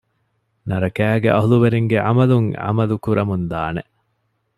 ނަރަކައިގެ އަހުލުވެރިންގެ ޢަމަލުން ޢަމަލު ކުރަމުން ދާނެ